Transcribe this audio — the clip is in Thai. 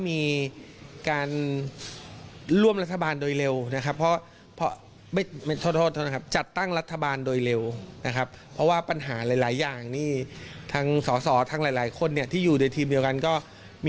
ไม่ขอเปิดประเด็นใหม่